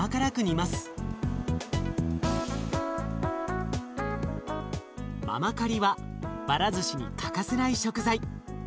ままかりはばらずしに欠かせない食材。